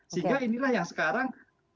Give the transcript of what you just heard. sehingga inilah yang sekarang